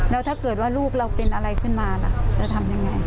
แล้วถ้าเกิดว่าลูกเราเป็นอะไรขึ้นมาล่ะจะทำยังไง